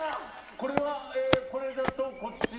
これはこれだとこっち側は。